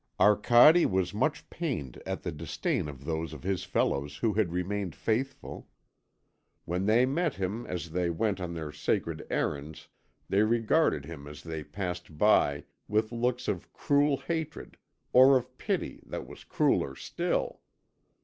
Arcade was much pained at the disdain of those of his fellows who had remained faithful. When they met him as they went on their sacred errands they regarded him as they passed by with looks of cruel hatred or of pity that was crueller still.